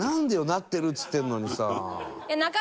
「なってる」っつってんのにさ。